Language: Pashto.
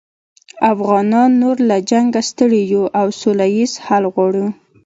افغانان نور له جنګه ستړي یوو او سوله ییز حل غواړو